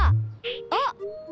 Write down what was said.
あっ！